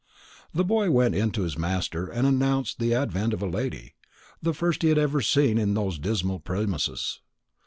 The boy went in to his master and announced the advent of a lady, the first he had ever seen in those dismal premises.